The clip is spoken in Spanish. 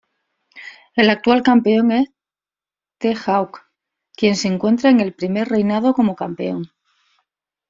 El actual campeón es T-Hawk, quien se encuentra en su primer reinado como campeón.